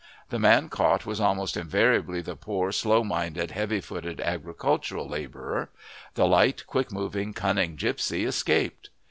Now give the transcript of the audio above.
The man caught was almost invariably the poor, slow minded, heavy footed agricultural labourer; the light, quick moving, cunning gipsy escaped.